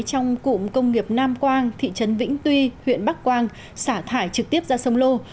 trong cụm công nghiệp nam quang thị trấn vĩnh tuy huyện bắc quang xả thải trực tiếp ra sông lô